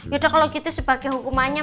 ya udah kalo gitu sebagai hukumannya